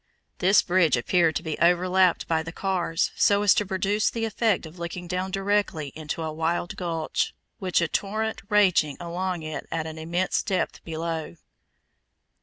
This bridge appeared to be overlapped by the cars so as to produce the effect of looking down directly into a wild gulch, with a torrent raging along it at an immense depth below.